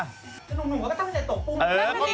นุ่มก็ตั้งใจตกกุ้ง